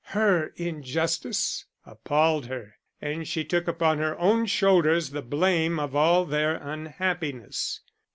Her injustice appalled her, and she took upon her own shoulders the blame of all their unhappiness.